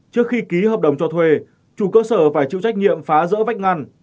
trước khi ký hợp đồng cho thuê chủ cơ sở phải chịu trách nhiệm phá rỡ vách ngăn